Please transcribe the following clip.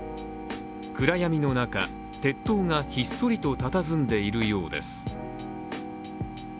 暗闇の中、鉄塔がひっそりとたたずんでいるようです。